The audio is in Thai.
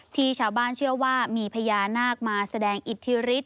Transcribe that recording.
ที่ชาวบ้านเชื่อว่ามีพญานาคมาแสดงอิทธิฤทธ